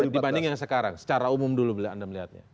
dibanding yang sekarang secara umum dulu anda melihatnya